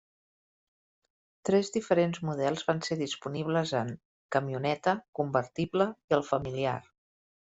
Tres diferents models van ser disponibles en: camioneta, convertible, i el familiar.